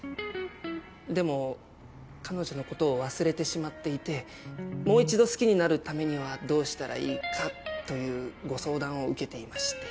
でも彼女のことを忘れてしまっていてもう一度好きになるためにはどうしたらいいかというご相談を受けていまして。